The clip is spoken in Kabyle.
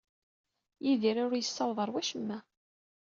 Yidir ur yessaweḍ ɣer wacemma.